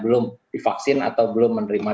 belum divaksin atau belum menerima